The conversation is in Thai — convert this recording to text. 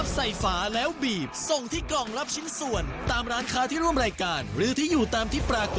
ขอแสดงความที่ดีกับผู้ที่ได้รับรางวัลครั้ง